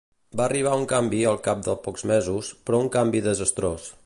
Va arribar un canvi al cap de pocs mesos, però un canvi desastrós.